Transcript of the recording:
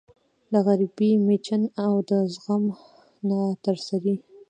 د غریبۍ مېچن او د زغم ناترسۍ